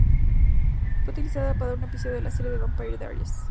Fue utilizada para un episodio de la serie The Vampire Diaries.